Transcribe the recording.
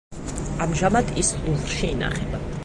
ამჟამად ის ლუვრში ინახება.